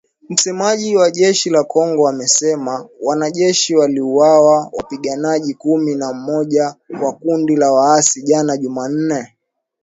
Msemaji wa jeshi la Kongo, amesema, wanajeshi waliwaua wapiganaji kumi na moja wa kundi la waasi jana Jumanne